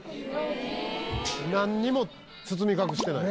なんにも包み隠してない。